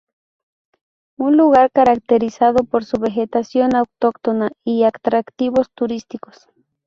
Un lugar caracterizado por su vegetación autóctona y atractivos turísticos.